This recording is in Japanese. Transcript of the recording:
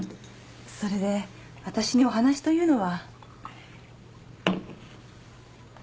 それで私にお話というのは？